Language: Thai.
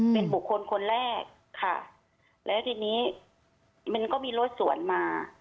เป็นบุคคลคนแรกค่ะแล้วทีนี้มันก็มีรถสวนมา